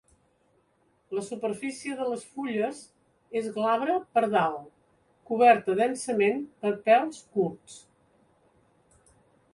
La superfície de les fulles és glabra per dalt, coberta densament per pèls curts.